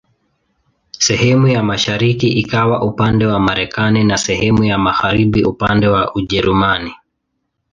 Sehemu ya mashariki ikawa upande wa Marekani na sehemu ya magharibi upande wa Ujerumani.